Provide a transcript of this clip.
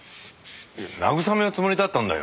慰めのつもりだったんだよ。